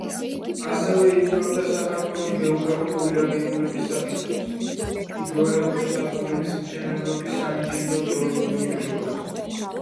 ასევე იკვლევდა საქართველოს გეოგრაფიული აგებულების საკითხებს, ჰიდროელექტროსადგურების მშენებლობის საინჟინრო-გეოლოგიურ პირობებს.